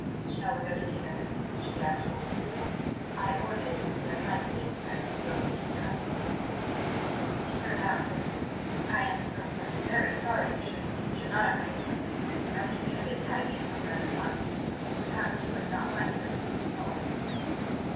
"Shall we go to dinner?" she asked coldly. "I ordered it for you at my place, as you wrote that you were coming this evening." He turned round quickly. "I am v v very sorry; you sh should not have waited for me! I will just get a bit tidy and come round at once. P perhaps you would not mind putting these into water."